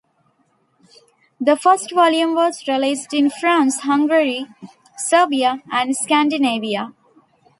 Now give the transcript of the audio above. The first volume was released in France, Hungary, Serbia and Scandinavia.